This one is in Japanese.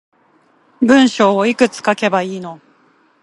文章いくつ書けばいいの